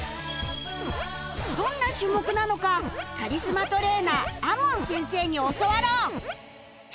どんな種目なのかカリスマトレーナー ＡＭＯＮ 先生に教わろう！